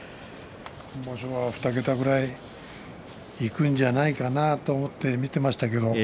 今場所は２桁くらいいくんじゃないかなと思って見ていましたけど